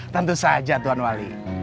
tentu saja tuhan wali